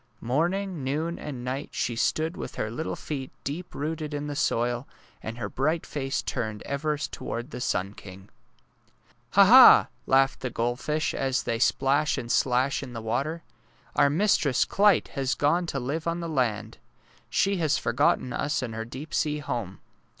Morning, noon, and night she stood with her little feet deep rooted in the soil, and her bright face turned ever toward the sun king. ^' Ha! Ha! '' laugh the goldfish, as they splash and slash in the water. " Our mistress, Clyte, has gone to live on the land. She has forgotten us and her deep sea home.